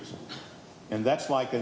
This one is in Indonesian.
jadi bagi kita